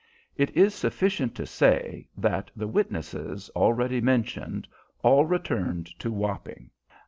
It is sufficient to say that the witnesses already mentioned all returned to Wapping.